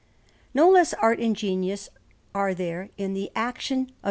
No less art and genius are there in the action of S.